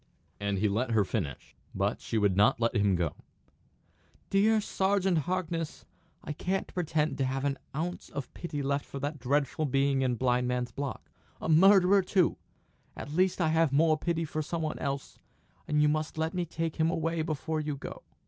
And he let her finish. But she would not let him go. "Dear Sergeant Harkness, I can't pretend to have an ounce of pity left for that dreadful being in Blind Man's Block. A murderer, too! At least I have more pity for some one else, and you must let me take him away before you go."